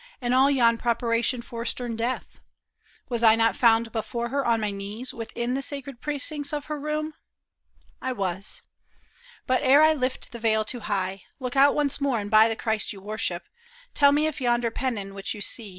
And all yon preparation for stern death ? Was I not found before her on my knees Within the sacred precincts of her room ? I was. But ere I lift the veil too high, Look out once more and by the Christ you worship, Tell me if yonder pennon which you see.